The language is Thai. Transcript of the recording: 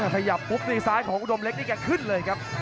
ขยับปุ๊บนี่ซ้ายของอุดมเล็กนี่แกขึ้นเลยครับ